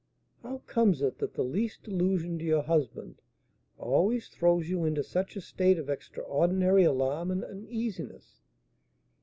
"How comes it that the least allusion to your husband always throws you into such a state of extraordinary alarm and uneasiness?"